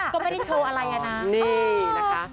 ก็ไม่ได้โชว์อะไรเแล้วนะ